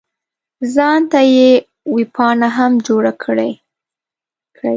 ځان ته یې ویبپاڼه هم جوړه کړې.